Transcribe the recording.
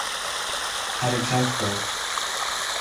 حرکت داد